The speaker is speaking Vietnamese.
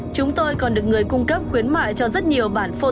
chúng tôi đã tìm đến trường ở số bảy mươi giáp nhất thanh xuân hà nội